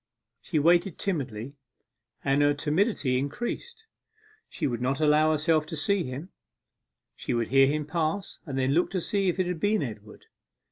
She waited timidly, and her timidity increased. She would not allow herself to see him she would hear him pass, and then look to see if it had been Edward.